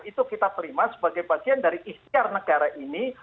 itu kita terima sebagai bagian dari ikhtiar negara ini